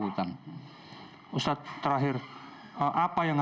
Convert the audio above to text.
karena dpo yang dikejar pasti lari ke hutan